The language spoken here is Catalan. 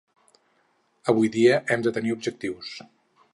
Avui dia hem de tenir objectius.